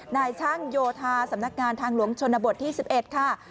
นายช่างโยธาสำนักงานทางหลวงชนบทที่๑๑ค่ะ